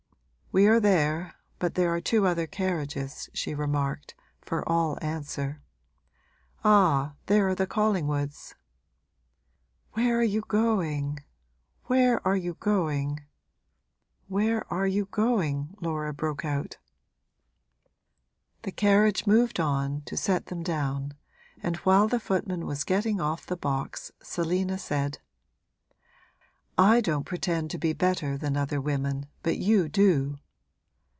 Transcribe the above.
'We are there, but there are two other carriages,' she remarked, for all answer. 'Ah, there are the Collingwoods.' 'Where are you going where are you going where are you going?' Laura broke out. The carriage moved on, to set them down, and while the footman was getting off the box Selina said: 'I don't pretend to be better than other women, but you do!'